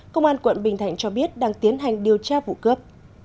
công an quận bình thạnh cho biết đang tiến hành điều tra vụ cướp